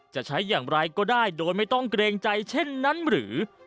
จะใช้อย่างไรก็ได้โดยไม่ต้องเกรงใจเช่นนั้นหรือ